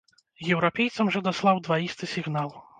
Еўрапейцам жа даслаў дваісты сігнал.